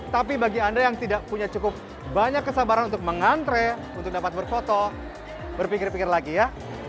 tapi bagi anda yang tidak punya cukup banyak kesabaran untuk mengantre untuk dapat berfoto berpikir pikir lagi ya